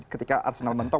ketika arsenal mentok